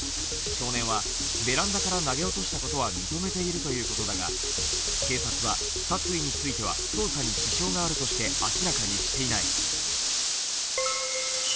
少年はベランダから投げ落としたことは認めているとのことだが、警察は殺意については捜査に支障があるとして明らかにしていない。